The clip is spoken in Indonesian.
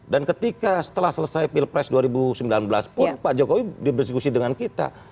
dan ketika setelah selesai pilpres dua ribu sembilan belas pun pak jokowi dibersekusi dengan kita